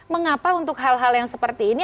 mengapa untuk hal hal yang seperti ini